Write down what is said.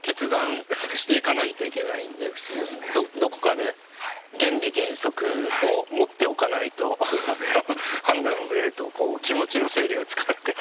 どこかで原理原則を持っておかないと判断がブレると気持ちの整理がつかなくなってしまうかなって。